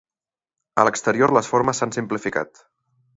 A l'exterior les formes s'han simplificat.